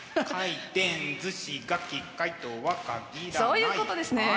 そういうことですね。